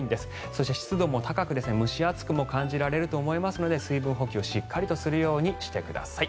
そして、湿度も高く蒸し暑くも感じられると思いますので水分補給、しっかりとするようにしてください。